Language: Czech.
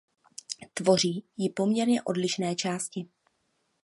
Tvoří ji poměrně odlišné části.